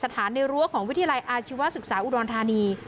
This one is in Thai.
ในรั้วของวิทยาลัยอาชีวศึกษาอุดรธานี